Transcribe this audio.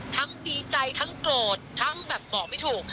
ทั้งดีใจทั้งโกรธทั้งบอกไม่ถูก